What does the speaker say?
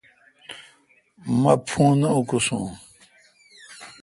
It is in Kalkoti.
مہ پھݨ نہ اکوسون۔